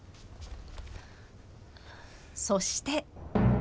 そして。